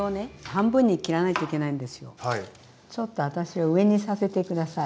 ちょっと私は上にさせて下さい。